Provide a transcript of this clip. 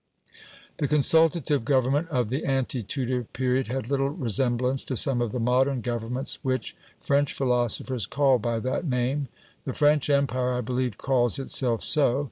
The consultative government of the ante Tudor period had little resemblance to some of the modern governments which French philosophers call by that name. The French Empire, I believe, calls itself so.